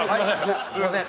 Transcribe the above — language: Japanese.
すいません。